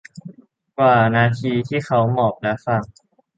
กว่านาทีที่เขาหมอบและฟัง